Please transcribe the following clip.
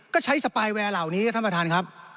ก็ใช้สปายแวร์เหล่านี้ครับท่านประธานครับ